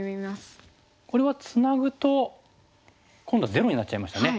これはツナぐと今度ゼロになっちゃいましたね。